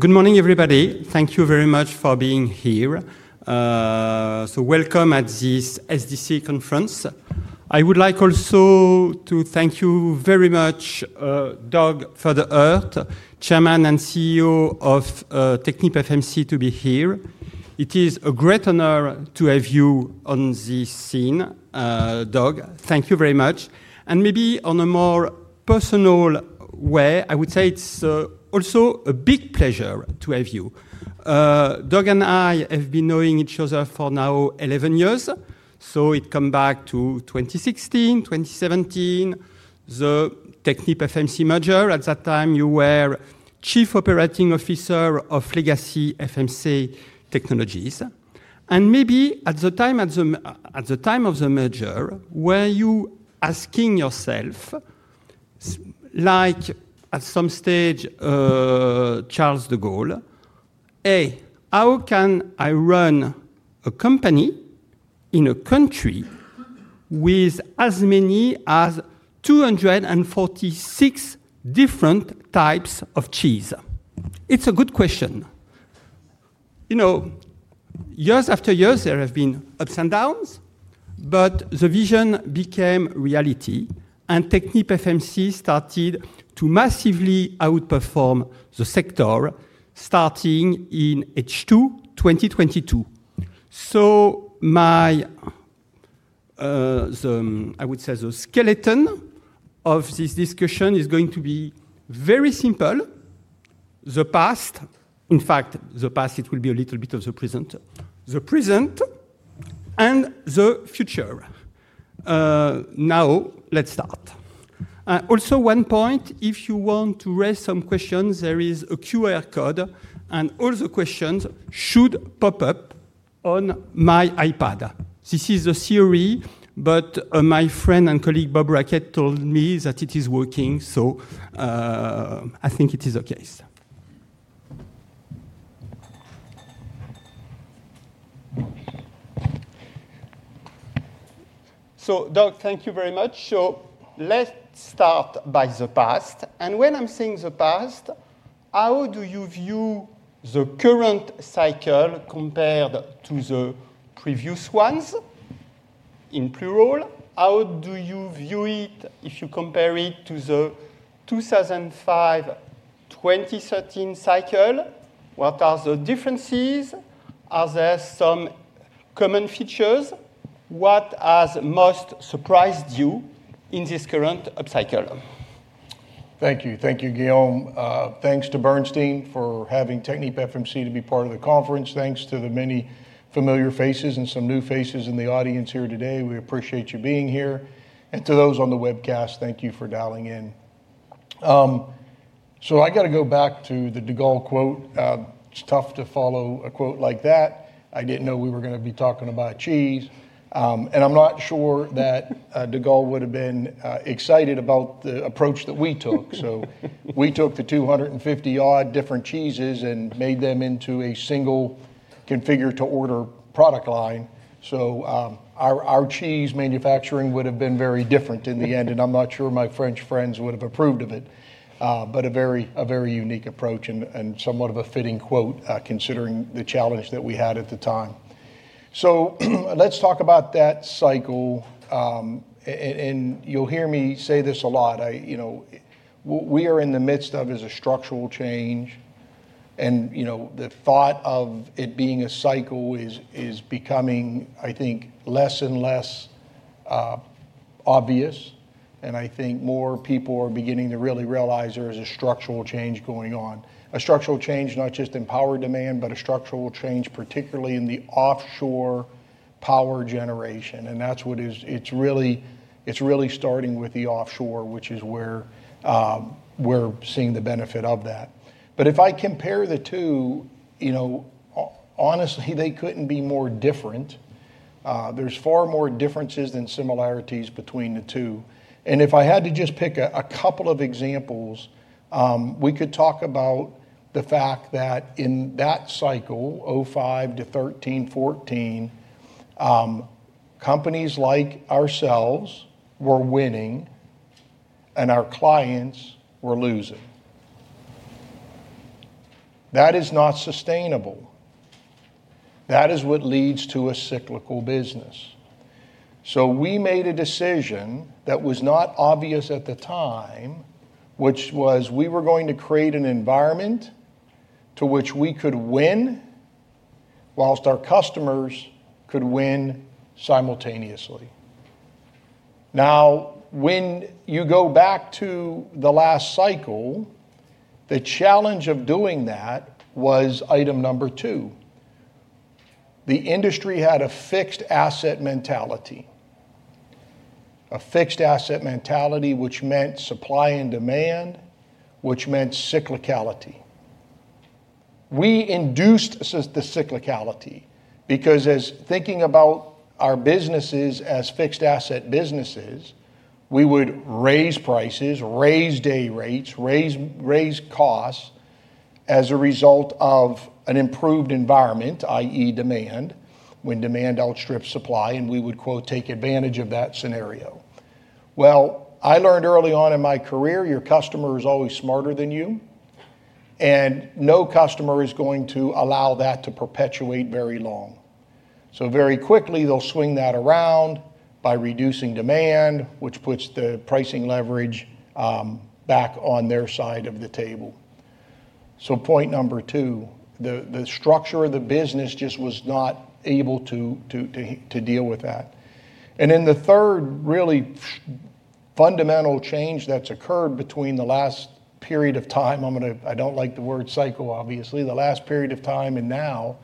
Good morning, everybody. Thank you very much for being here. Welcome at this SDC conference. I would like also to thank you very much, Doug Pferdehirt, Chairman and CEO of TechnipFMC, to be here. It is a great honor to have you on the scene, Doug. Thank you very much. Maybe on a more personal way, I would say it's also a big pleasure to have you. Doug and I have been knowing each other for now 11 years, so it come back to 2016, 2017, the TechnipFMC merger. At that time, you were Chief Operating Officer of legacy FMC Technologies. Maybe at the time of the merger, were you asking yourself, like at some stage, Charles de Gaulle, A, how can I run a company in a country with as many as 246 different types of cheese? It's a good question. Years after years, there have been ups and downs, but the vision became reality, and TechnipFMC started to massively outperform the sector starting in H2 2022. My, I would say, the skeleton of this discussion is going to be very simple. The past, in fact, the past, it will be a little bit of the present. The present and the future. Let's start. One point, if you want to raise some questions, there is a QR code, and all the questions should pop up on my iPad. This is the theory, but my friend and colleague, Bob Brackett, told me that it is working, so I think it is okay. Doug, thank you very much. Let's start by the past. When I'm saying the past, how do you view the current cycle compared to the previous ones, in plural? How do you view it if you compare it to the 2005-2013 cycle? What are the differences? Are there some common features? What has most surprised you in this current upcycle? Thank you. Thank you, Guillaume. Thanks to Bernstein for having TechnipFMC to be part of the conference. Thanks to the many familiar faces and some new faces in the audience here today. We appreciate you being here. To those on the webcast, thank you for dialing in. I got to go back to the de Gaulle quote. It's tough to follow a quote like that. I didn't know we were going to be talking about cheese. I'm not sure that de Gaulle would've been excited about the approach that we took. We took the 250 odd different cheeses and made them into a single configure-to-order product line. Our cheese manufacturing would've been very different in the end, and I'm not sure my French friends would've approved of it. A very unique approach and somewhat of a fitting quote, considering the challenge that we had at the time. Let's talk about that cycle. You'll hear me say this a lot. What we are in the midst of is a structural change, and the thought of it being a cycle is becoming, I think, less and less obvious. I think more people are beginning to really realize there is a structural change going on. A structural change not just in power demand, but a structural change particularly in the offshore power generation, and that's what it is. It's really starting with the offshore, which is where we're seeing the benefit of that. If I compare the two, honestly, they couldn't be more different. There's far more differences than similarities between the two. If I had to just pick a couple of examples, we could talk about the fact that in that cycle, 2005 to 2013, 2014, companies like ourselves were winning and our clients were losing. That is not sustainable. That is what leads to a cyclical business. We made a decision that was not obvious at the time, which was we were going to create an environment to which we could win whilst our customers could win simultaneously. Now, when you go back to the last cycle, the challenge of doing that was item number two. The industry had a fixed asset mentality. A fixed asset mentality which meant supply and demand, which meant cyclicality. We induced the cyclicality because as thinking about our businesses as fixed asset businesses, we would raise prices, raise day rates, raise costs as a result of an improved environment, demand, when demand outstrips supply, and we would, quote, "take advantage of that scenario." Well, I learned early on in my career, your customer is always smarter than you, and no customer is going to allow that to perpetuate very long. Very quickly they'll swing that around by reducing demand, which puts the pricing leverage back on their side of the table. Point number two, the structure of the business just was not able to deal with that. Then the third really fundamental change that's occurred between the last period of time, I don't like the word cycle, obviously, the last period of time and now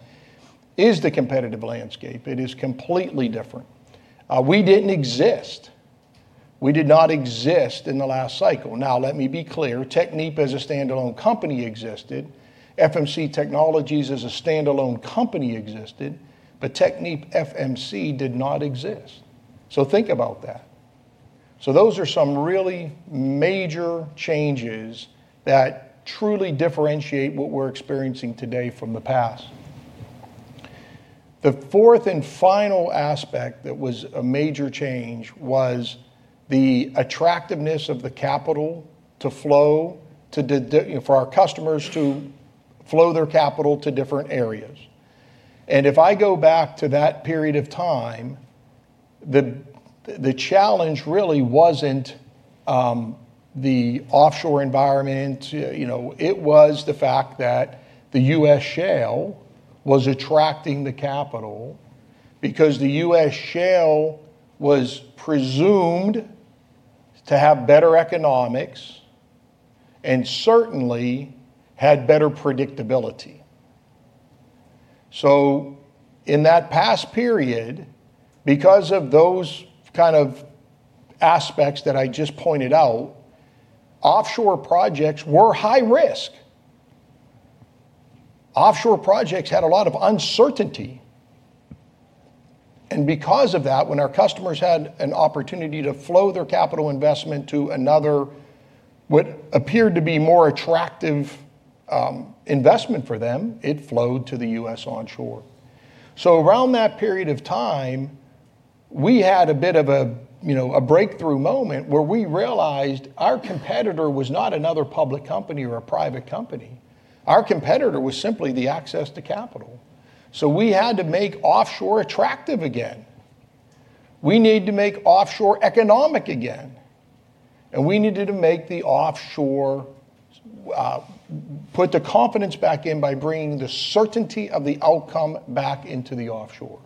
is the competitive landscape. It is completely different. We didn't exist. We did not exist in the last cycle. Let me be clear, Technip as a standalone company existed, FMC Technologies as a standalone company existed, but TechnipFMC did not exist. Think about that. Those are some really major changes that truly differentiate what we're experiencing today from the past. The fourth and final aspect that was a major change was the attractiveness of the capital for our customers to flow their capital to different areas. If I go back to that period of time, the challenge really wasn't the offshore environment. It was the fact that the U.S. shale was attracting the capital because the U.S. shale was presumed to have better economics and certainly had better predictability. In that past period, because of those kind of aspects that I just pointed out, offshore projects were high risk. Offshore projects had a lot of uncertainty. Because of that, when our customers had an opportunity to flow their capital investment to another, what appeared to be more attractive investment for them, it flowed to the U.S. onshore. Around that period of time, we had a bit of a breakthrough moment where we realized our competitor was not another public company or a private company. Our competitor was simply the access to capital. We had to make offshore attractive again. We needed to make offshore economic again. We needed to make the offshore, put the confidence back in by bringing the certainty of the outcome back into the offshore.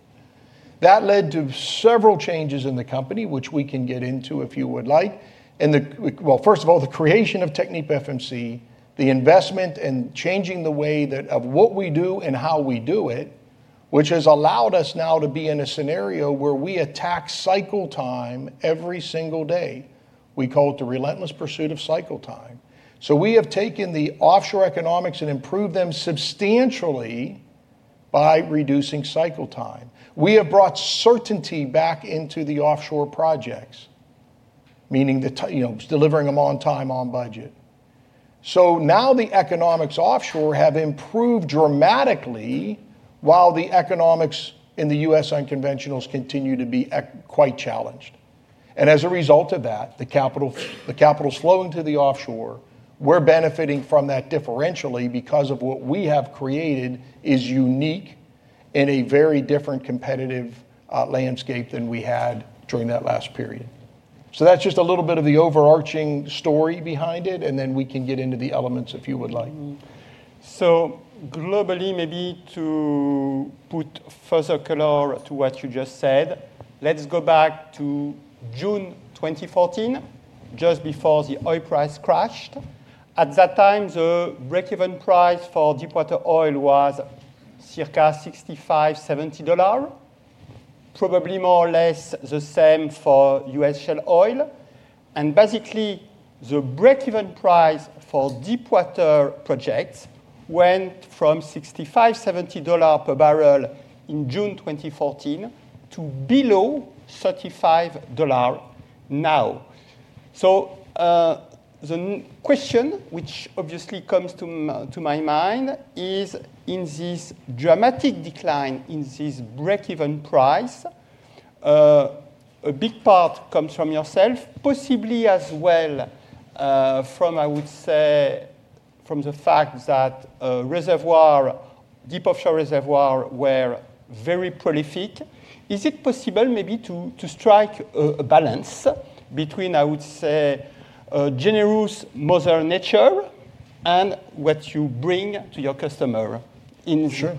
That led to several changes in the company, which we can get into if you would like. Well, first of all, the creation of TechnipFMC, the investment, and changing the way of what we do and how we do it, which has allowed us now to be in a scenario where we attack cycle time every single day. We call it the relentless pursuit of cycle time. We have taken the offshore economics and improved them substantially by reducing cycle time. We have brought certainty back into the offshore projects, meaning delivering them on time, on budget. Now the economics offshore have improved dramatically while the economics in the U.S. unconventionals continue to be quite challenged. As a result of that, the capital flowing to the offshore, we're benefiting from that differentially because of what we have created is unique in a very different competitive landscape than we had during that last period. That's just a little bit of the overarching story behind it, and then we can get into the elements if you would like. Globally, maybe to put further color to what you just said, let's go back to June 2014, just before the oil price crashed. At that time, the break-even price for deepwater oil was circa $65, $70, probably more or less the same for U.S. shale oil. Basically, the break-even price for deepwater projects went from $65, $70 per barrel in June 2014 to below $35 now. The question which obviously comes to my mind is in this dramatic decline in this break-even price, a big part comes from yourself, possibly as well, from the fact that reservoir, deep offshore reservoir were very prolific. Is it possible maybe to strike a balance between generous Mother Nature and what you bring to your customer? Sure.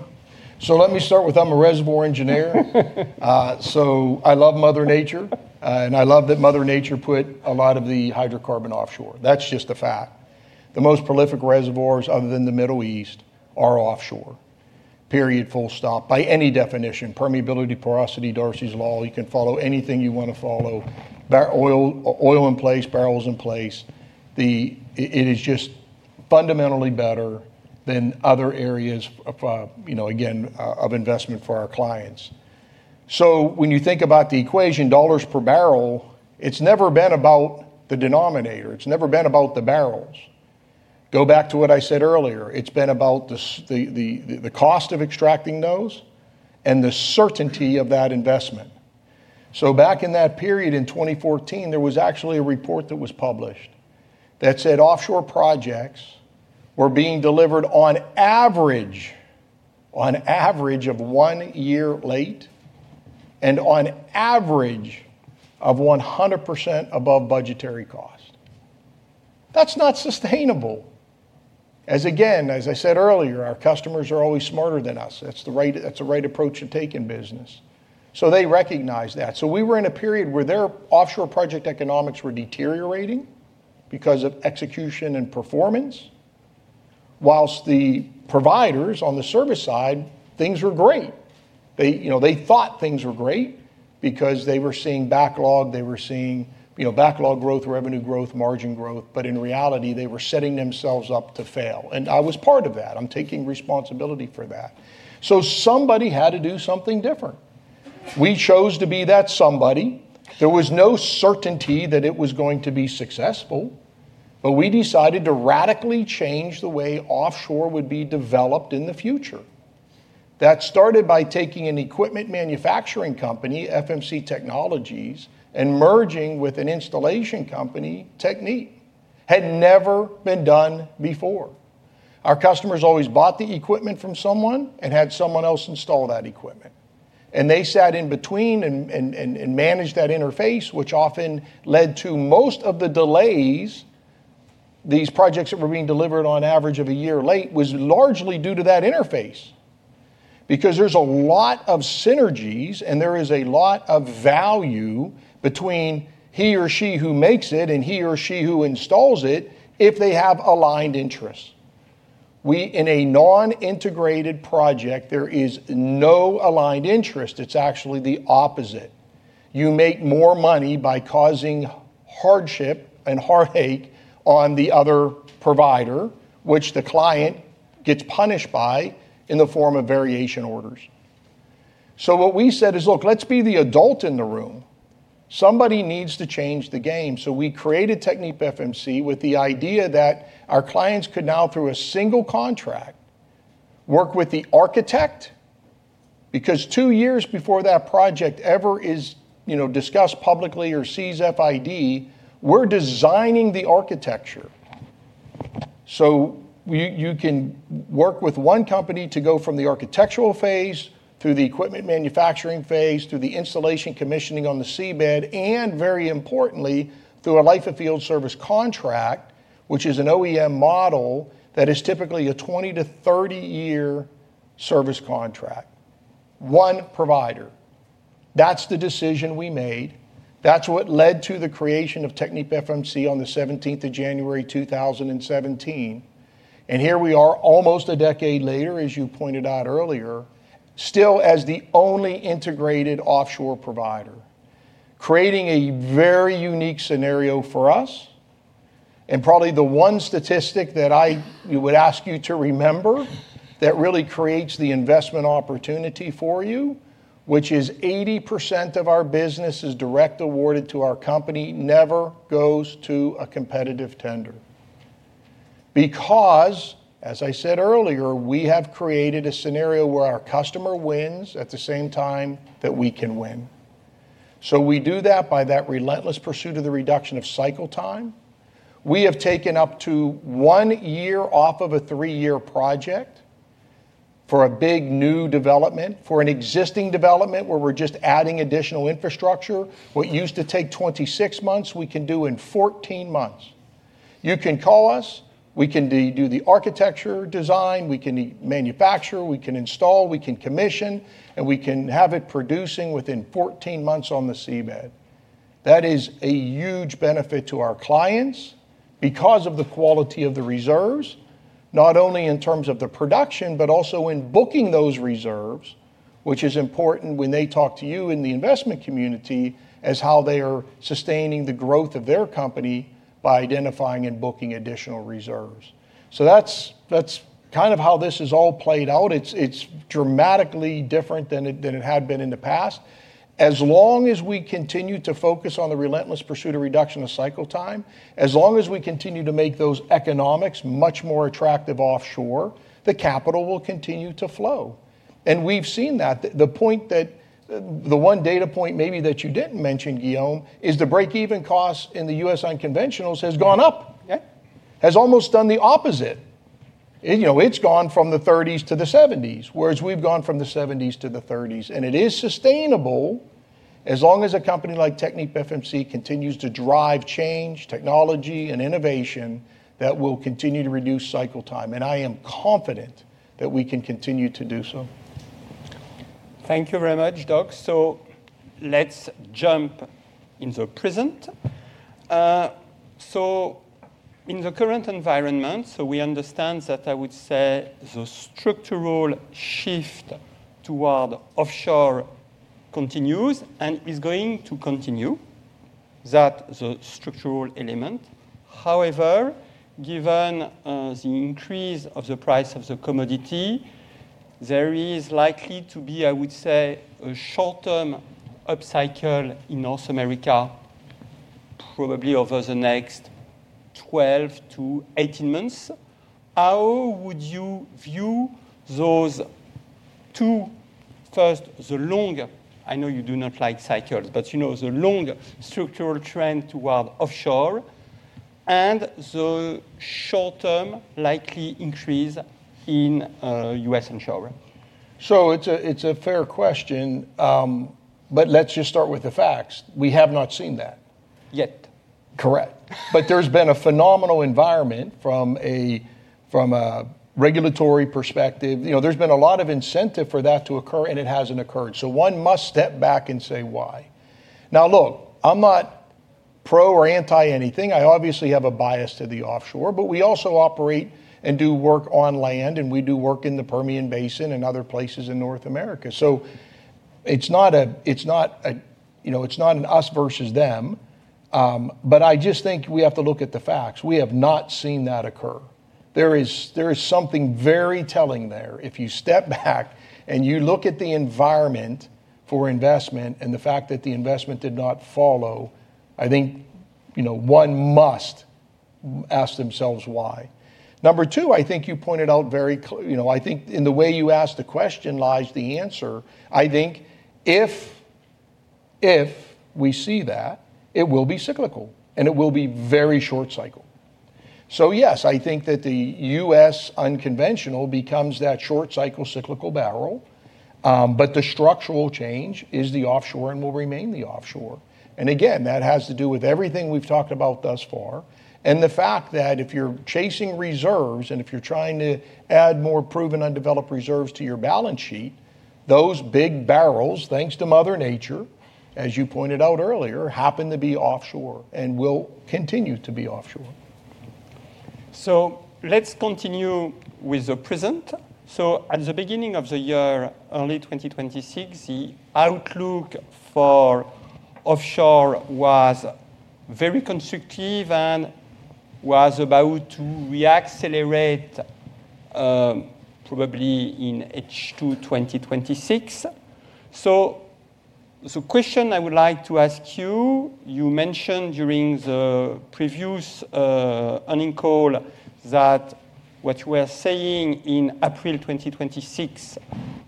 Let me start with, I'm a reservoir engineer. I love Mother Nature, and I love that Mother Nature put a lot of the hydrocarbon offshore. That's just a fact. The most prolific reservoirs other than the Middle East are offshore, period, full stop. By any definition, permeability, porosity, Darcy's law, you can follow anything you want to follow. Oil in place, barrels in place. It is just fundamentally better than other areas of investment for our clients. When you think about the equation dollars per barrel, it's never been about the denominator. It's never been about the barrels. Go back to what I said earlier. It's been about the cost of extracting those and the certainty of that investment. Back in that period, in 2014, there was actually a report that was published that said offshore projects were being delivered on average one year late and on average of 100% above budgetary cost. That's not sustainable. As again, as I said earlier, our customers are always smarter than us. That's the right approach to take in business. They recognized that. We were in a period where their offshore project economics were deteriorating because of execution and performance, while the providers on the service side, things were great. They thought things were great because they were seeing backlog. They were seeing backlog growth, revenue growth, margin growth. In reality, they were setting themselves up to fail, and I was part of that. I'm taking responsibility for that. Somebody had to do something different. We chose to be that somebody. There was no certainty that it was going to be successful, but we decided to radically change the way offshore would be developed in the future. That started by taking an equipment manufacturing company, FMC Technologies, and merging with an installation company, Technip. Had never been done before. Our customers always bought the equipment from someone and had someone else install that equipment, and they sat in between and managed that interface, which often led to most of the delays. These projects that were being delivered on average of a year late was largely due to that interface. There's a lot of synergies, and there is a lot of value between he or she who makes it and he or she who installs it, if they have aligned interests. In a non-integrated project, there is no aligned interest. It's actually the opposite. You make more money by causing hardship and heartache on the other provider, which the client gets punished by in the form of variation orders. What we said is, "Look, let's be the adult in the room." Somebody needs to change the game. We created TechnipFMC with the idea that our clients could now, through a single contract, work with the architect because two years before that project ever is discussed publicly or sees FID, we're designing the architecture. You can work with one company to go from the architectural phase through the equipment manufacturing phase, through the installation commissioning on the seabed, and very importantly, through a life-of-field service contract, which is an OEM model that is typically a 20-30-year service contract. One provider. That's the decision we made. That's what led to the creation of TechnipFMC on the 17th January 2017. Here we are, almost a decade later, as you pointed out earlier, still as the only integrated offshore provider, creating a very unique scenario for us. Probably the one statistic that I would ask you to remember that really creates the investment opportunity for you, which is 80% of our business is direct awarded to our company, never goes to a competitive tender. As I said earlier, we have created a scenario where our customer wins at the same time that we can win. We do that by that relentless pursuit of the reduction of cycle time. We have taken up to one year off of a three-year project for a big new development. For an existing development where we're just adding additional infrastructure, what used to take 26 months, we can do in 14 months. You can call us. We can do the architecture design, we can manufacture, we can install, we can commission, and we can have it producing within 14 months on the seabed. That is a huge benefit to our clients because of the quality of the reserves, not only in terms of the production, but also in booking those reserves, which is important when they talk to you in the investment community as how they are sustaining the growth of their company by identifying and booking additional reserves. That's kind of how this has all played out. It's dramatically different than it had been in the past. As long as we continue to focus on the relentless pursuit of reduction of cycle time, as long as we continue to make those economics much more attractive offshore, the capital will continue to flow. We've seen that. The one data point maybe that you didn't mention, Guillaume, is the break-even cost in the U.S. unconventionals has gone up. Yeah. Has almost done the opposite. It's gone from the 30s to the 70s, whereas we've gone from the 70s to the 30s. It is sustainable as long as a company like TechnipFMC continues to drive change, technology, and innovation that will continue to reduce cycle time. I am confident that we can continue to do so. Thank you very much, Doug. Let's jump in the present. In the current environment, we understand that I would say the structural shift toward offshore continues and is going to continue. That's the structural element. However, given the increase of the price of the commodity. There is likely to be, I would say, a short-term upcycle in North America, probably over the next 12-18 months. How would you view those two? First, the long, I know you do not like cycles, but the long structural trend toward offshore and the short-term likely increase in U.S. offshore. It's a fair question, but let's just start with the facts. We have not seen that. Yet. Correct. There's been a phenomenal environment from a regulatory perspective. There's been a lot of incentive for that to occur, and it hasn't occurred. One must step back and say why. Now look, I'm not pro or anti anything. I obviously have a bias to the offshore, but we also operate and do work on land, and we do work in the Permian Basin and other places in North America. So it's not an us versus them. I just think we have to look at the facts. We have not seen that occur. There is something very telling there. If you step back and you look at the environment for investment and the fact that the investment did not follow, I think, one must ask themselves why. Number two, I think you pointed out very clear, I think in the way you asked the question lies the answer. Yes, I think that the U.S. unconventional becomes that short cycle cyclical barrel. The structural change is the offshore and will remain the offshore. Again, that has to do with everything we've talked about thus far and the fact that if you're chasing reserves and if you're trying to add more proven undeveloped reserves to your balance sheet, those big barrels, thanks to Mother Nature, as you pointed out earlier, happen to be offshore and will continue to be offshore. Let's continue with the present. At the beginning of the year, early 2026, the outlook for offshore was very constructive and was about to re-accelerate, probably in H2 2026. The question I would like to ask you mentioned during the previous earnings call that what you were saying in April 2026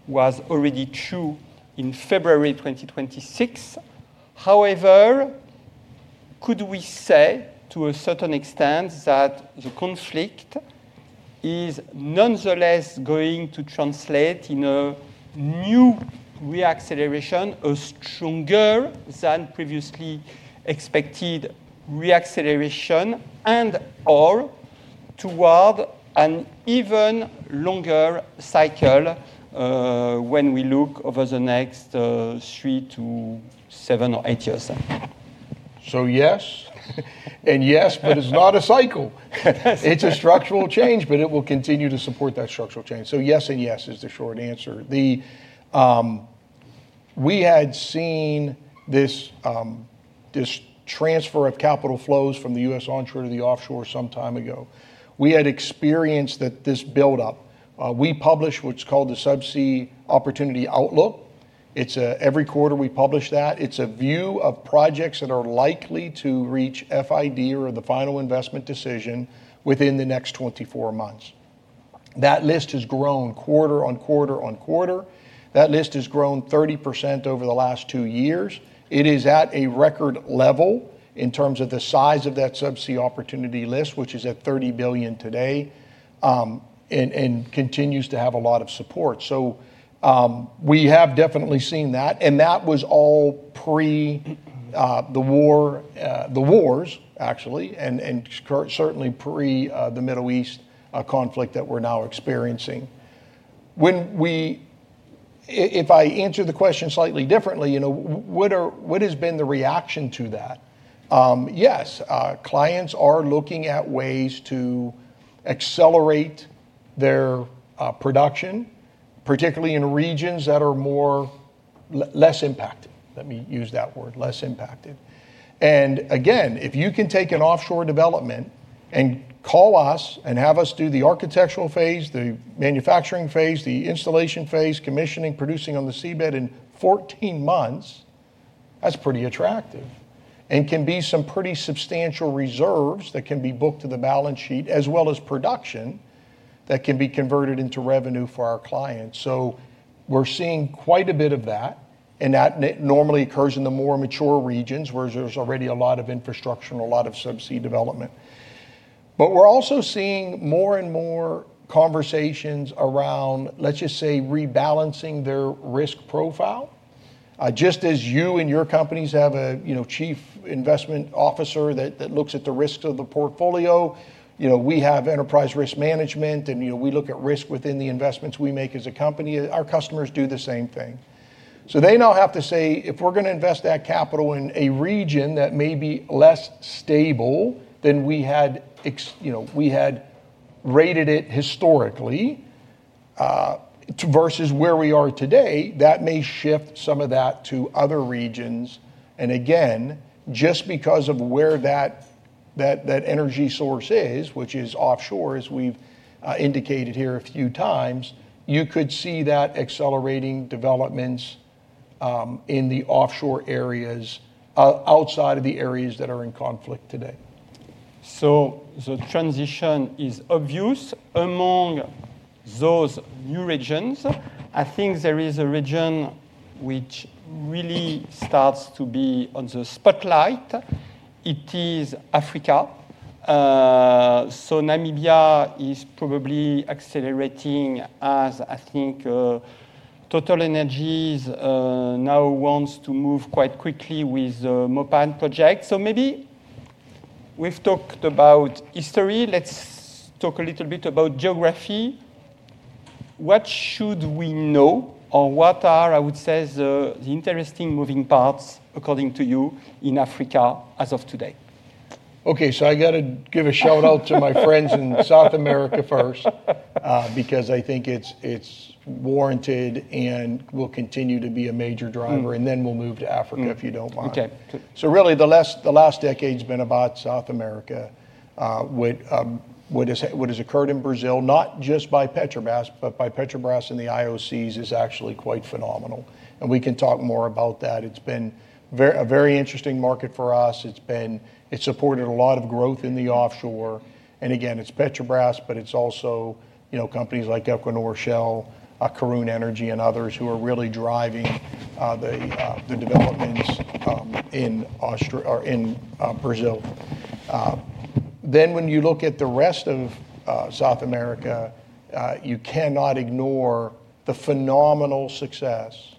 was already true in February 2026. However, could we say to a certain extent that the conflict is nonetheless going to translate in a new re-acceleration, a stronger than previously expected re-acceleration and/or toward an even longer cycle, when we look over the next three to seven or eight years? Yes and yes, but it's not a cycle. That's right. It's a structural change, it will continue to support that structural change. Yes and yes is the short answer. We had seen this transfer of capital flows from the U.S. onshore to the offshore some time ago. We had experienced that this buildup. We publish what's called the Subsea Opportunity Outlook. Every quarter, we publish that. It's a view of projects that are likely to reach FID or the final investment decision within the next 24 months. That list has grown quarter on quarter on quarter. That list has grown 30% over the last two years. It is at a record level in terms of the size of that subsea opportunity list, which is at $30 billion today, and continues to have a lot of support. We have definitely seen that, and that was all pre the war, the wars actually, and certainly pre the Middle East conflict that we're now experiencing. If I answer the question slightly differently, what has been the reaction to that? Yes, clients are looking at ways to accelerate their production, particularly in regions that are less impacted. Let me use that word, less impacted. Again, if you can take an offshore development and call us and have us do the architectural phase, the manufacturing phase, the installation phase, commissioning, producing on the seabed in 14 months, that's pretty attractive and can be some pretty substantial reserves that can be booked to the balance sheet as well as production that can be converted into revenue for our clients. We're seeing quite a bit of that, and that normally occurs in the more mature regions where there's already a lot of infrastructure and a lot of subsea development. We're also seeing more and more conversations around, let's just say, rebalancing their risk profile. Just as you and your companies have a chief investment officer that looks at the risks of the portfolio, we have enterprise risk management and we look at risk within the investments we make as a company. Our customers do the same thing. They now have to say, if we're going to invest that capital in a region that may be less stable than we had rated it historically, versus where we are today, that may shift some of that to other regions. Again, just because of where that energy source is, which is offshore as we've indicated here a few times, you could see that accelerating developments in the offshore areas, outside of the areas that are in conflict today. The transition is obvious among those new regions. I think there is a region which really starts to be on the spotlight. It is Africa. Namibia is probably accelerating as I think TotalEnergies now wants to move quite quickly with the Mopane project. Maybe we've talked about history, let's talk a little bit about geography. What should we know or what are, I would say, the interesting moving parts according to you in Africa as of today? Okay. I got to give a shout-out to my friends in South America first, because I think it's warranted and will continue to be a major driver, and then we'll move to Africa if you don't mind. Okay. Really the last decade's been about South America. What has occurred in Brazil, not just by Petrobras, but by Petrobras and the IOCs is actually quite phenomenal, and we can talk more about that. It's been a very interesting market for us. It's supported a lot of growth in the offshore. Again, it's Petrobras, but it's also companies like Equinor, Shell, Karoon Energy and others who are really driving the developments in Brazil. When you look at the rest of South America, you cannot ignore the phenomenal success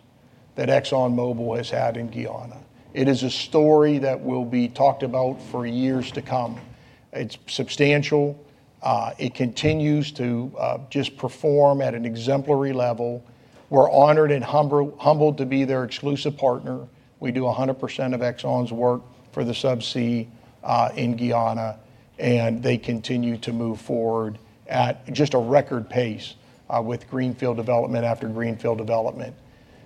that ExxonMobil has had in Guyana. It is a story that will be talked about for years to come. It's substantial. It continues to just perform at an exemplary level. We're honored and humbled to be their exclusive partner. We do 100% of Exxon's work for the subsea in Guyana. They continue to move forward at just a record pace, with greenfield development after greenfield development.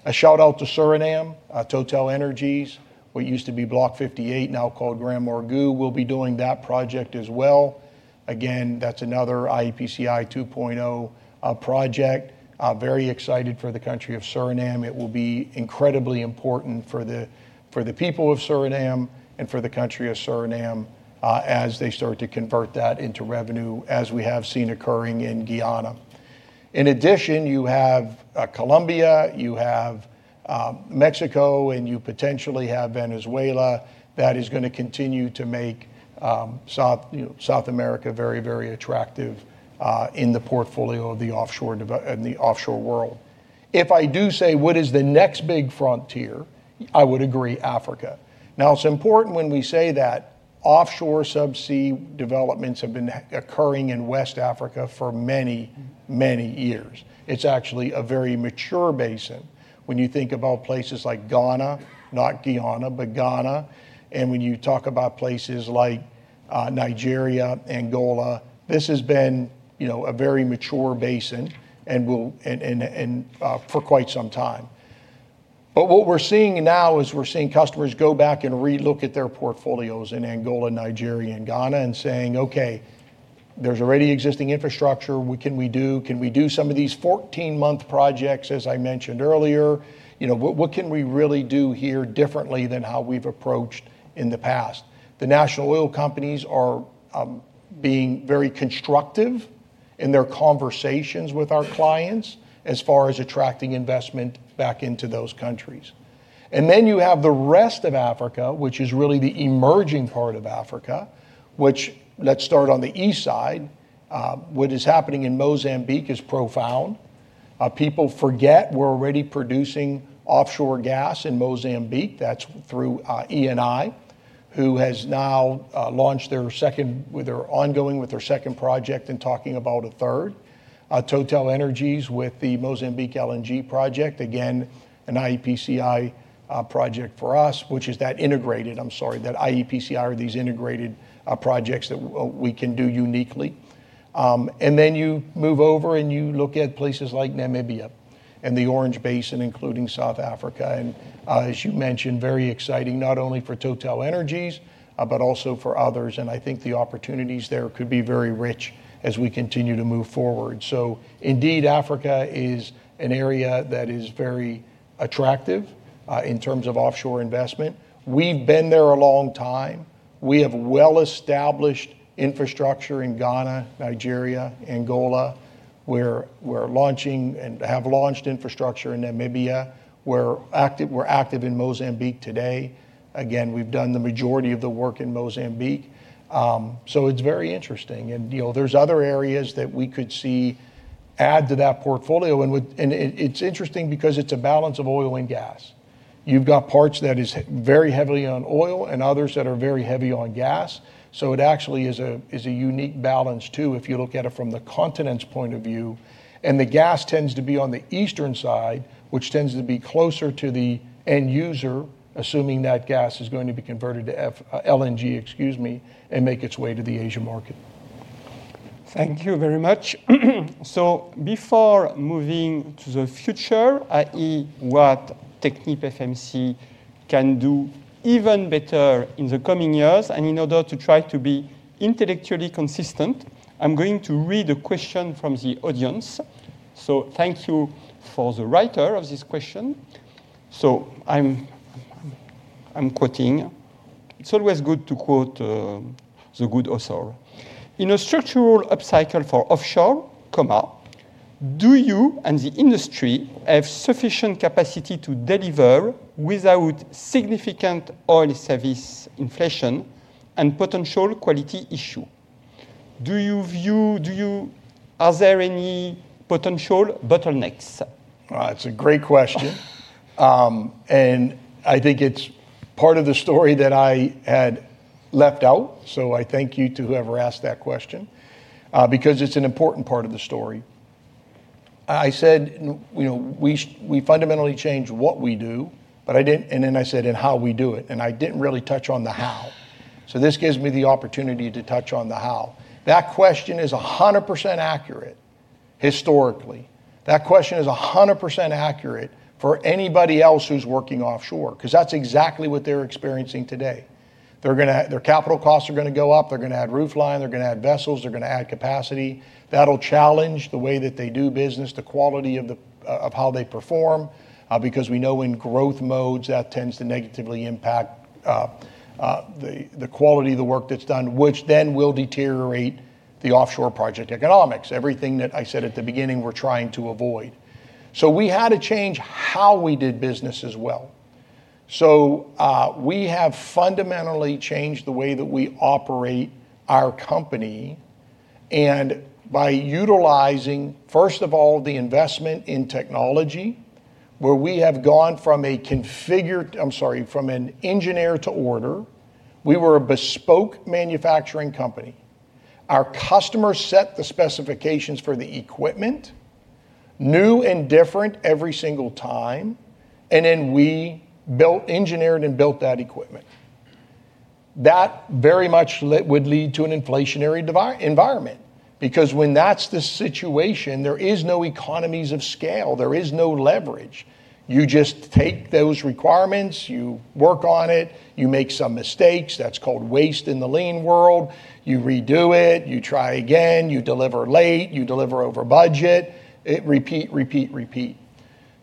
A shout-out to Suriname, TotalEnergies, what used to be Block 58, now called GranMorgu. We'll be doing that project as well. Again, that's another iEPCI 2.0 project. Very excited for the country of Suriname. It will be incredibly important for the people of Suriname and for the country of Suriname as they start to convert that into revenue, as we have seen occurring in Guyana. In addition, you have Colombia, you have Mexico, and you potentially have Venezuela. That is going to continue to make South America very, very attractive in the portfolio of the offshore world. If I do say, what is the next big frontier? I would agree, Africa. It's important when we say that offshore subsea developments have been occurring in West Africa for many, many years. It's actually a very mature basin. When you think about places like Ghana, not Guyana, but Ghana, and when you talk about places like Nigeria, Angola, this has been a very mature basin, and for quite some time. What we're seeing now is we're seeing customers go back and re-look at their portfolios in Angola, Nigeria, and Ghana and saying, "Okay, there's already existing infrastructure. Can we do some of these 14-month projects," as I mentioned earlier. "What can we really do here differently than how we've approached in the past?" The national oil companies are being very constructive in their conversations with our clients as far as attracting investment back into those countries. You have the rest of Africa, which is really the emerging part of Africa, which let's start on the east side. What is happening in Mozambique is profound. People forget we're already producing offshore gas in Mozambique. That's through Eni, who has now launched their second, with their ongoing with their second project and talking about a third. TotalEnergies with the Mozambique LNG project, again, an iEPCI project for us, which is that iEPCI are these integrated projects that we can do uniquely. You move over and you look at places like Namibia and the Orange Basin, including South Africa, and as you mentioned, very exciting not only for TotalEnergies, but also for others. I think the opportunities there could be very rich as we continue to move forward. Indeed, Africa is an area that is very attractive, in terms of offshore investment. We've been there a long time. We have well-established infrastructure in Ghana, Nigeria, Angola. We're launching and have launched infrastructure in Namibia. We're active in Mozambique today. Again, we've done the majority of the work in Mozambique. It's very interesting and there's other areas that we could see add to that portfolio, and it's interesting because it's a balance of oil and gas. You've got parts that is very heavily on oil and others that are very heavy on gas. It actually is a unique balance too if you look at it from the continent's point of view. The gas tends to be on the eastern side, which tends to be closer to the end user, assuming that gas is going to be converted to LNG, excuse me, and make its way to the Asian market. Thank you very much. Before moving to the future, i.e., what TechnipFMC can do even better in the coming years, and in order to try to be intellectually consistent, I'm going to read a question from the audience. Thank you for the writer of this question. I'm quoting. It's always good to quote the good author. "In a structural upcycle for offshore, do you and the industry have sufficient capacity to deliver without significant oil service inflation and potential quality issue? Are there any potential bottlenecks? That's a great question. I think it's part of the story that I had left out, so I thank you to whoever asked that question, because it's an important part of the story. I said we fundamentally changed what we do, and then I said, and how we do it, and I didn't really touch on the how. This gives me the opportunity to touch on the how. That question is 100% accurate historically. That question is 100% accurate for anybody else who's working offshore, because that's exactly what they're experiencing today. Their capital costs are going to go up. They're going to add roof line. They're going to add vessels. They're going to add capacity. That'll challenge the way that they do business, the quality of how they perform, because we know in growth modes, that tends to negatively impact the quality of the work that's done, which then will deteriorate the offshore project economics. Everything that I said at the beginning we're trying to avoid. We had to change how we did business as well. We have fundamentally changed the way that we operate our company, and by utilizing, first of all, the investment in technology, where we have gone from an engineer-to-order. We were a bespoke manufacturing company. Our customers set the specifications for the equipment, new and different every single time, and then we engineered and built that equipment. That very much would lead to an inflationary environment. Because when that's the situation, there is no economies of scale. There is no leverage. You just take those requirements, you work on it, you make some mistakes. That's called waste in the lean world. You redo it, you try again, you deliver late, you deliver over budget. Repeat.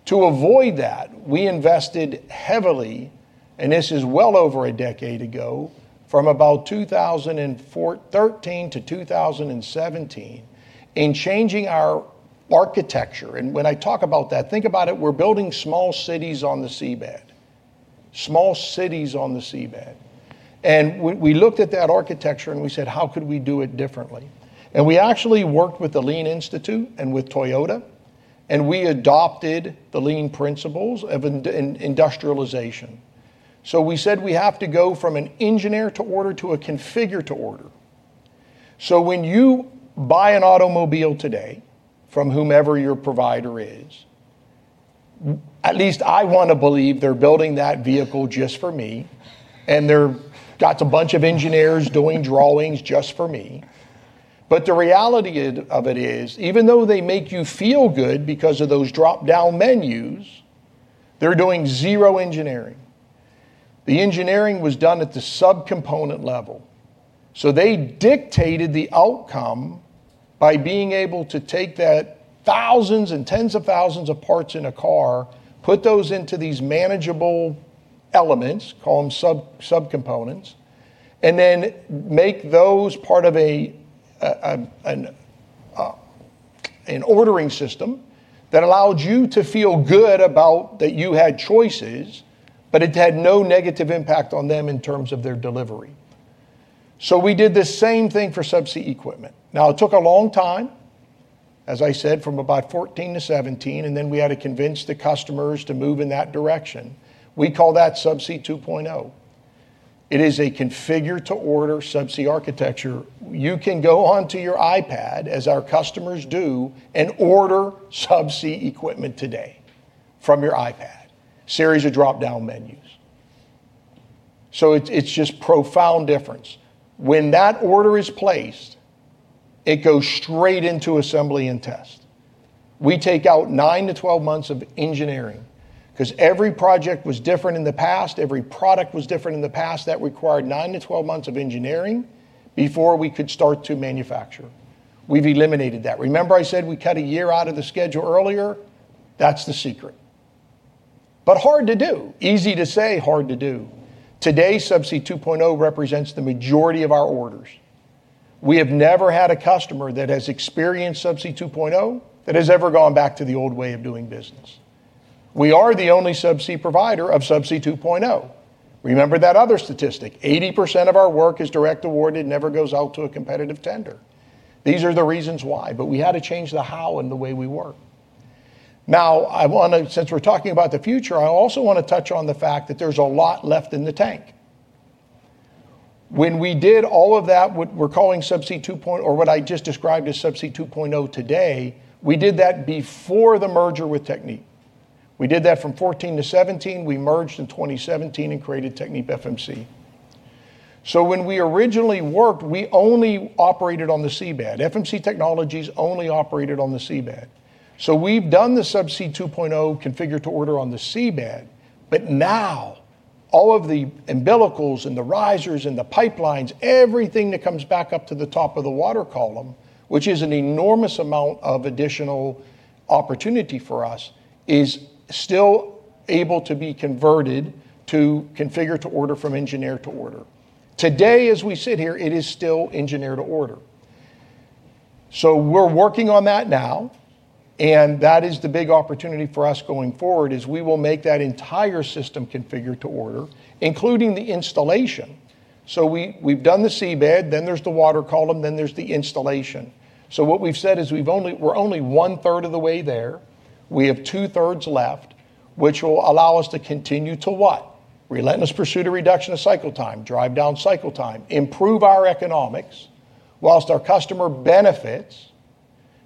To avoid that, we invested heavily, and this is well over a decade ago, from about 2013 to 2017, in changing our architecture. When I talk about that, think about it, we're building small cities on the seabed. We looked at that architecture and we said, "How could we do it differently?" We actually worked with the Lean Enterprise Institute and with Toyota, and we adopted the lean principles of industrialization. We said we have to go from an engineer-to-order to a configure-to-order. When you buy an automobile today, from whomever your provider is, at least I want to believe they're building that vehicle just for me, and they've got a bunch of engineers doing drawings just for me. The reality of it is, even though they make you feel good because of those drop-down menus, they're doing zero engineering. The engineering was done at the sub-component level. They dictated the outcome by being able to take that thousands and tens of thousands of parts in a car, put those into these manageable elements, call them sub-components, and then make those part of an ordering system that allowed you to feel good about that you had choices, but it had no negative impact on them in terms of their delivery. We did the same thing for subsea equipment. It took a long time, as I said, from about 2014 to 2017, and then we had to convince the customers to move in that direction. We call that Subsea 2.0. It is a configure-to-order subsea architecture. You can go onto your iPad, as our customers do, and order subsea equipment today from your iPad, series of drop-down menus. It's just profound difference. When that order is placed, it goes straight into assembly and test. We take out nine to 12 months of engineering, because every project was different in the past, every product was different in the past. That required nine to 12 months of engineering before we could start to manufacture. We've eliminated that. Remember I said we cut a year out of the schedule earlier? That's the secret. Hard to do. Easy to say, hard to do. Today, Subsea 2.0 represents the majority of our orders. We have never had a customer that has experienced Subsea 2.0 that has ever gone back to the old way of doing business. We are the only subsea provider of Subsea 2.0. Remember that other statistic. 80% of our work is direct awarded, never goes out to a competitive tender. These are the reasons why. We had to change the how and the way we work. Now, since we're talking about the future, I also want to touch on the fact that there's a lot left in the tank. When we did all of that, what I just described as Subsea 2.0 today, we did that before the merger with Technip. We did that from 2014 to 2017. We merged in 2017 and created TechnipFMC. When we originally worked, we only operated on the seabed. FMC Technologies only operated on the seabed. We've done the Subsea 2.0 configure-to-order on the seabed, but now all of the umbilicals and the risers and the pipelines, everything that comes back up to the top of the water column, which is an enormous amount of additional opportunity for us, is still able to be converted to configure-to-order from engineer-to-order. Today as we sit here, it is still engineer-to-order. We're working on that now, and that is the big opportunity for us going forward, is we will make that entire system configure-to-order, including the installation. We've done the seabed, then there's the water column, then there's the installation. What we've said is we're only one third of the way there. We have 2/3 left, which will allow us to continue to what? Relentless pursuit a reduction of cycle time, drive down cycle time, improve our economics while our customer benefits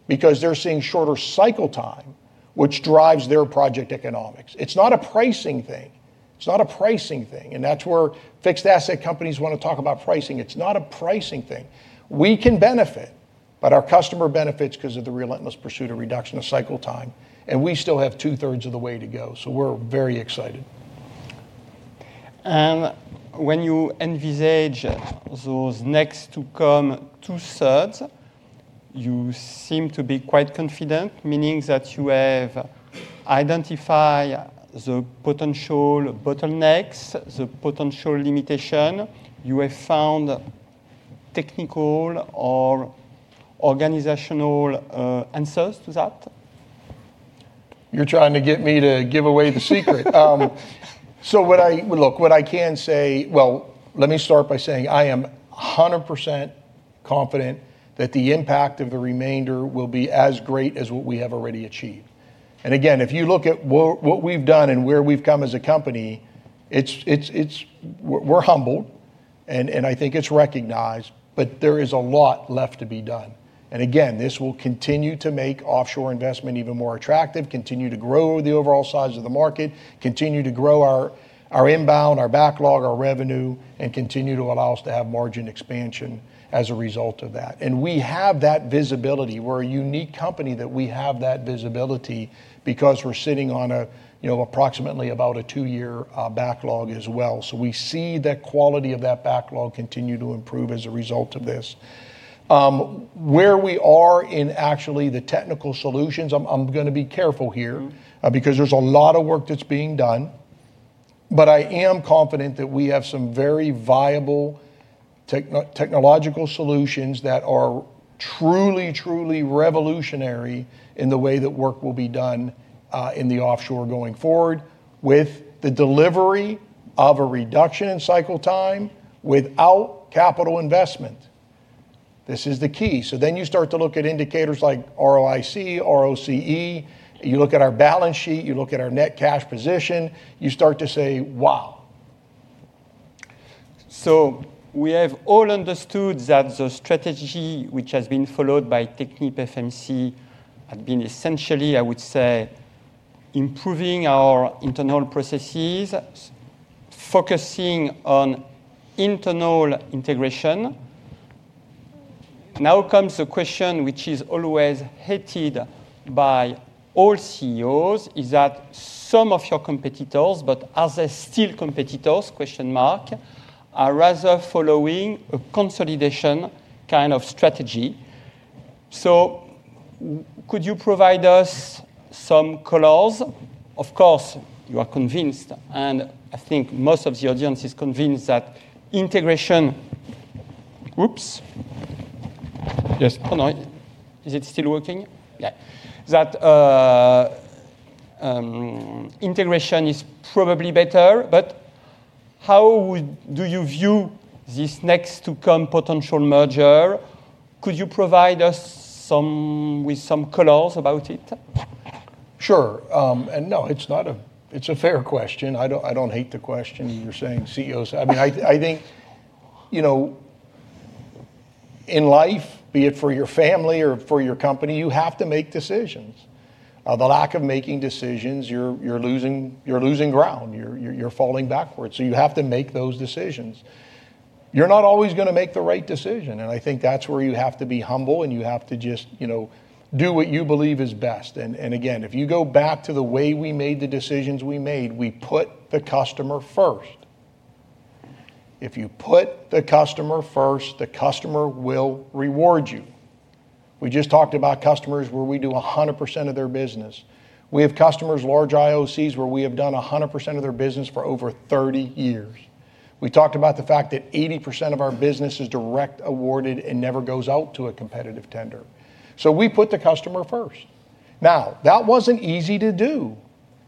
because they're seeing shorter cycle time, which drives their project economics. It's not a pricing thing. It's not a pricing thing. That's where fixed asset companies want to talk about pricing. It's not a pricing thing. We can benefit. Our customer benefits because of the relentless pursuit of reduction of cycle time. We still have 2/3 of the way to go. We're very excited. When you envisage those next to come 2/3, you seem to be quite confident, meaning that you have identified the potential bottlenecks, the potential limitation. You have found technical or organizational answers to that? You're trying to get me to give away the secret. Look, what I can say. Well, let me start by saying I am 100% confident that the impact of the remainder will be as great as what we have already achieved. Again, if you look at what we've done and where we've come as a company, we're humbled and I think it's recognized, but there is a lot left to be done. Again, this will continue to make offshore investment even more attractive, continue to grow the overall size of the market, continue to grow our inbound, our backlog, our revenue, and continue to allow us to have margin expansion as a result of that. We have that visibility. We're a unique company that we have that visibility because we're sitting on approximately about a two-year backlog as well. We see the quality of that backlog continue to improve as a result of this. Where we are in actually the technical solutions, I'm going to be careful here because there's a lot of work that's being done, but I am confident that we have some very viable technological solutions that are truly revolutionary in the way that work will be done in the offshore going forward with the delivery of a reduction in cycle time without capital investment. This is the key. You start to look at indicators like ROIC, ROCE, you look at our balance sheet, you look at our net cash position, you start to say, Wow. We have all understood that the strategy which has been followed by TechnipFMC had been essentially, I would say, improving our internal processes, focusing on internal integration. Now comes the question which is always hated by all CEOs, is that some of your competitors, but are they still competitors, question mark, are rather following a consolidation kind of strategy. Could you provide us some colors? Of course, you are convinced, and I think most of the audience is convinced that integration. Oops. Yes. Oh, no. Is it still working? Yeah. That integration is probably better, but how do you view this next to come potential merger? Could you provide us with some colors about it? Sure. No, it's a fair question. I don't hate the question. I think, in life, be it for your family or for your company, you have to make decisions. The lack of making decisions, you're losing ground. You're falling backwards. You have to make those decisions. You're not always going to make the right decision, I think that's where you have to be humble and you have to just do what you believe is best. Again, if you go back to the way we made the decisions we made, we put the customer first. If you put the customer first, the customer will reward you. We just talked about customers where we do 100% of their business. We have customers, large IOCs, where we have done 100% of their business for over 30 years. We talked about the fact that 80% of our business is direct awarded and never goes out to a competitive tender. We put the customer first. Now, that wasn't easy to do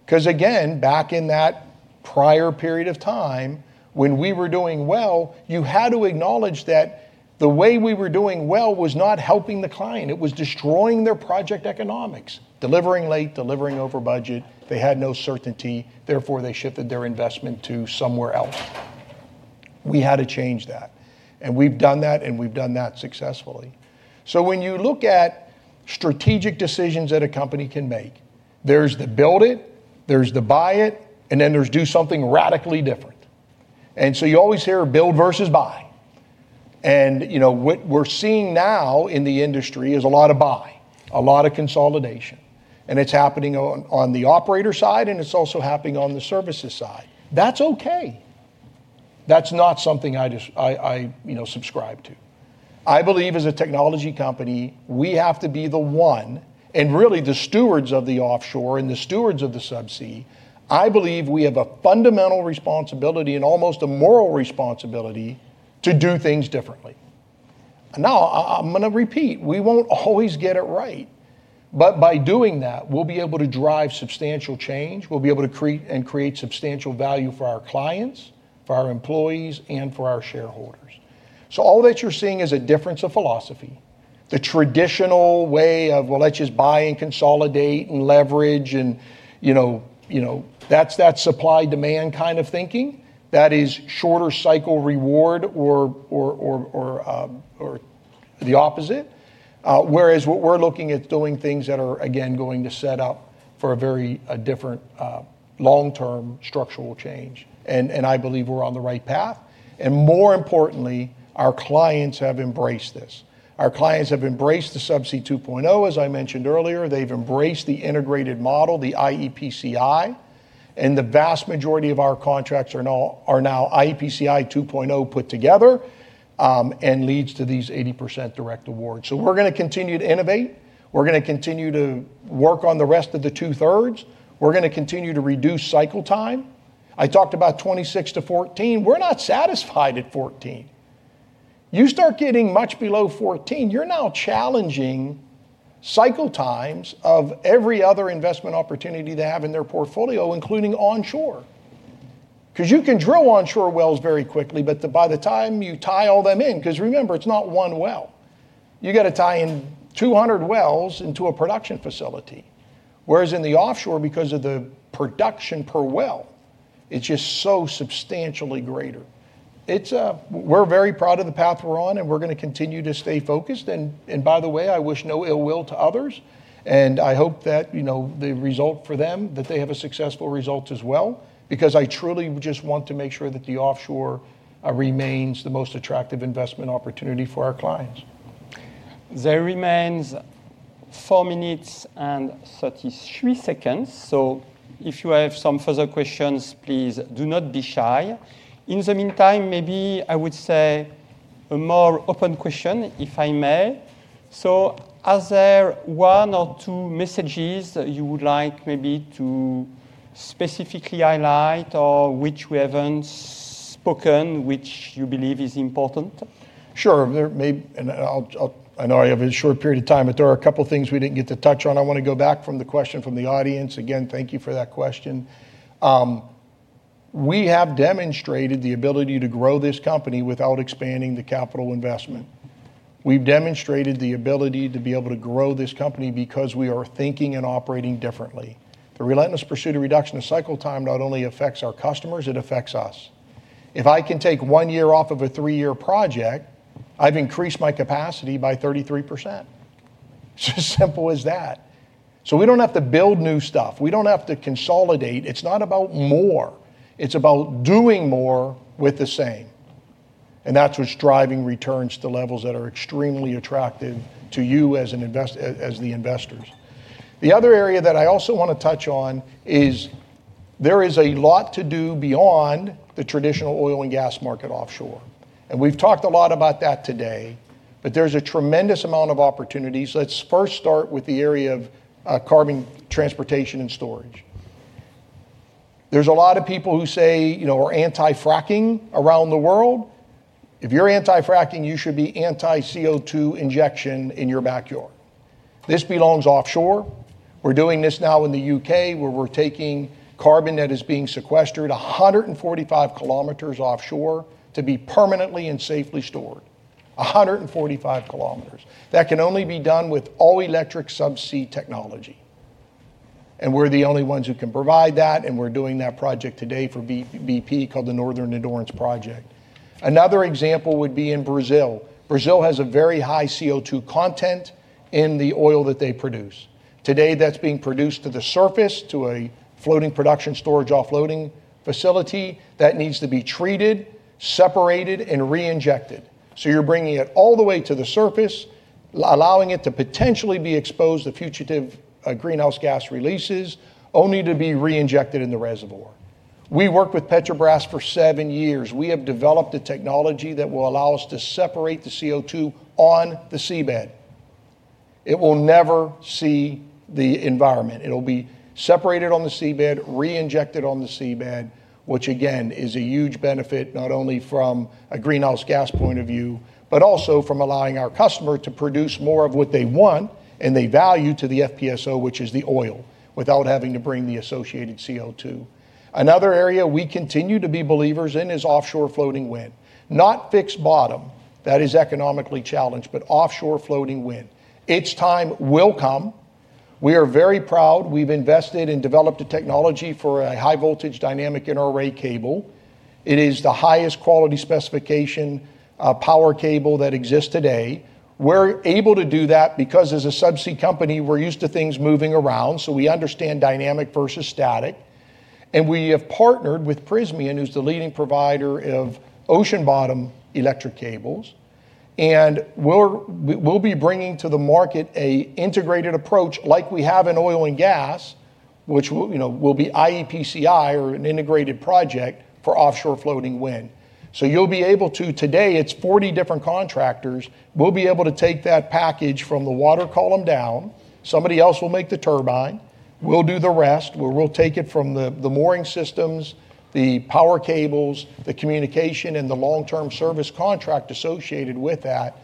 because again, back in that prior period of time when we were doing well, you had to acknowledge that the way we were doing well was not helping the client. It was destroying their project economics, delivering late, delivering over budget. They had no certainty, therefore they shifted their investment to somewhere else. We had to change that, and we've done that, and we've done that successfully. When you look at strategic decisions that a company can make, there's the build it, there's the buy it, and then there's do something radically different. You always hear build versus buy. What we're seeing now in the industry is a lot of buy, a lot of consolidation, and it's happening on the operator side, and it's also happening on the services side. That's okay. That's not something I subscribe to. I believe as a technology company, we have to be the one, and really the stewards of the offshore and the stewards of the subsea. I believe we have a fundamental responsibility and almost a moral responsibility to do things differently. Now, I'm going to repeat, we won't always get it right. By doing that, we'll be able to drive substantial change. We'll be able to create substantial value for our clients, for our employees, and for our shareholders. All that you're seeing is a difference of philosophy. The traditional way of, well, let's just buy and consolidate and leverage and that's that supply-demand kind of thinking, that is shorter cycle reward or the opposite. Whereas what we're looking at doing things that are, again, going to set up for a very different long-term structural change. I believe we're on the right path. More importantly, our clients have embraced this. Our clients have embraced the Subsea 2.0, as I mentioned earlier. They've embraced the integrated model, the iEPCI, and the vast majority of our contracts are now iEPCI 2.0 put together, and leads to these 80% direct awards. We're going to continue to innovate. We're going to continue to work on the rest of the 2/3. We're going to continue to reduce cycle time. I talked about 26 to 14. We're not satisfied at 14. You start getting much below 14, you're now challenging cycle times of every other investment opportunity they have in their portfolio, including onshore. Because you can drill onshore wells very quickly, but by the time you tie all them in, because remember, it's not one well, you got to tie in 200 wells into a production facility. Whereas in the offshore, because of the production per well, it's just so substantially greater. We're very proud of the path we're on, and we're going to continue to stay focused. By the way, I wish no ill will to others, and I hope that the result for them, that they have a successful result as well, because I truly just want to make sure that the offshore remains the most attractive investment opportunity for our clients. There remains four minutes and 33 seconds. If you have some further questions, please do not be shy. In the meantime, maybe I would say a more open question, if I may. Are there one or two messages that you would like maybe to specifically highlight or which we haven't spoken, which you believe is important? Sure. I know I have a short period of time. There are a couple things we didn't get to touch on. I want to go back from the question from the audience. Again, thank you for that question. We have demonstrated the ability to grow this company without expanding the capital investment. We've demonstrated the ability to be able to grow this company because we are thinking and operating differently. The relentless pursuit of reduction of cycle time not only affects our customers, it affects us. If I can take one year off of a three-year project, I've increased my capacity by 33%. It's as simple as that. We don't have to build new stuff. We don't have to consolidate. It's not about more. It's about doing more with the same. That's what's driving returns to levels that are extremely attractive to you as the investors. The other area that I also want to touch on is there is a lot to do beyond the traditional oil and gas market offshore. We've talked a lot about that today, but there's a tremendous amount of opportunities. Let's first start with the area of carbon transportation and storage. There's a lot of people who say, are anti-fracking around the world. If you're anti-fracking, you should be anti-CO2 injection in your backyard. This belongs offshore. We're doing this now in the U.K., where we're taking carbon that is being sequestered 145 km offshore to be permanently and safely stored, 145 km. That can only be done with all-electric subsea technology. We're the only ones who can provide that, and we're doing that project today for BP called the Northern Endurance Project. Another example would be in Brazil. Brazil has a very high CO2 content in the oil that they produce. Today, that's being produced to the surface to a floating production storage offloading facility that needs to be treated, separated, and reinjected. You're bringing it all the way to the surface, allowing it to potentially be exposed to fugitive greenhouse gas releases, only to be reinjected in the reservoir. We worked with Petrobras for seven years. We have developed a technology that will allow us to separate the CO2 on the seabed. It will never see the environment. It'll be separated on the seabed, reinjected on the seabed, which again, is a huge benefit, not only from a greenhouse gas point of view, but also from allowing our customer to produce more of what they want and they value to the FPSO, which is the oil, without having to bring the associated CO2. Another area we continue to be believers in is offshore floating wind. Not fixed-bottom. That is economically challenged, offshore floating wind. Its time will come. We are very proud. We've invested and developed a technology for a high voltage dynamic inter-array cable. It is the highest quality specification power cable that exists today. We're able to do that because as a subsea company, we're used to things moving around, we understand dynamic versus static. We have partnered with Prysmian, who's the leading provider of ocean bottom electric cables, and we'll be bringing to the market an integrated approach like we have in oil and gas, which will be iEPCI, or an integrated project for offshore floating wind. You'll be able to, today it's 40 different contractors, we'll be able to take that package from the water column down. Somebody else will make the turbine, we'll do the rest, where we'll take it from the mooring systems, the power cables, the communication, and the long-term service contract associated with that,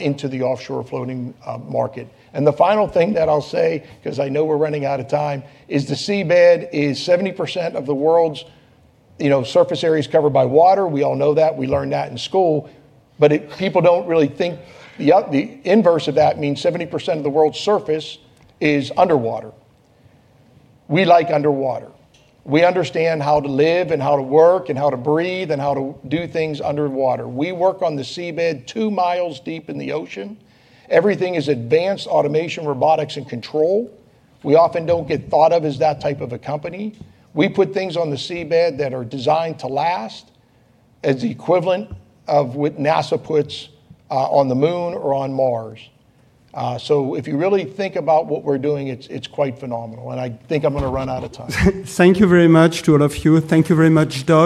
into the offshore floating market. The final thing that I'll say, because I know we're running out of time, is the seabed is 70% of the world's surface area is covered by water. We all know that. We learned that in school. People don't really think the inverse of that means 70% of the world's surface is underwater. We like underwater. We understand how to live and how to work and how to breathe and how to do things underwater. We work on the seabed 2 mi deep in the ocean. Everything is advanced automation, robotics, and control. We often don't get thought of as that type of a company. We put things on the seabed that are designed to last as equivalent of what NASA puts on the Moon or on Mars. If you really think about what we're doing, it's quite phenomenal, and I think I'm going to run out of time. Thank you very much to all of you. Thank you very much, Doug